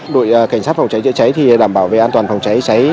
đội cảnh sát phòng cháy chữa cháy thì đảm bảo về an toàn phòng cháy cháy